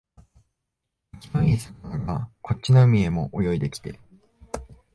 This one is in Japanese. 生きのいい魚がこっちの海へも泳いできて、